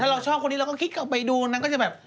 เราชอบคนนี้เราก็คิดออกไปดูนางก็จะแบบ